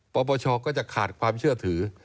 ปปชก็จะขาดความเชื่อถือ